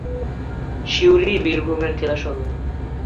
সিউড়ি বীরভূমের জেলাসদর।